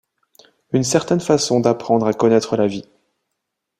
Une certaine façon d’apprendre à connaître la vie.